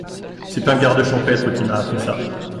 C’est un garde champêtre qui m’a appris ça.